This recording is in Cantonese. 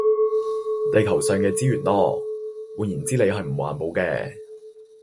地球上嘅資源囉，換言之你係唔環保嘅